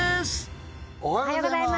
おはようございます！